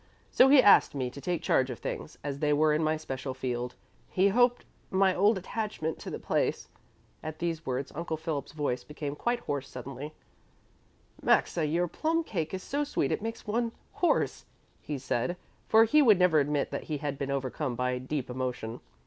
So he asked me to take charge of things, as they were in my special field. He hoped my old attachment to the place" at these words Uncle Philip's voice became quite hoarse suddenly "Maxa, your plum cake is so sweet it makes one hoarse," he said, for he would never admit that he had been overcome by deep emotion.